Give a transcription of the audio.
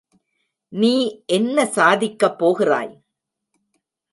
நீ என்ன சாதிக்கப் போகிறாய்?